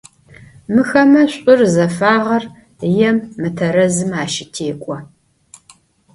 Mıxeme ş'ur, zefağer yêm, mıterezım aşıtêk'o.